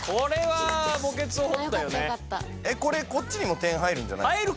えっこれこっちにも点入るんじゃないですか？